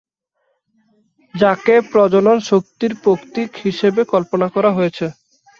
যাকে প্রজনন শক্তির প্রতীক হিসাবে কল্পনা করা হয়েছে।